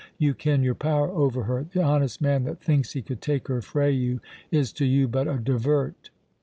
You ken your power over her; the honest man that thinks he could take her frae you is to you but a divert."